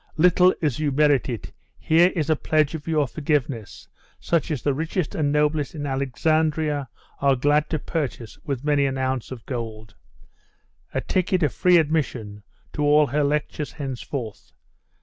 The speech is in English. little as you merit it, here is a pledge of your forgiveness, such as the richest and noblest in Alexandria are glad to purchase with many an ounce of gold a ticket of free admission to all her lectures henceforth!